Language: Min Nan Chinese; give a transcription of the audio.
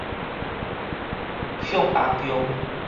向阿共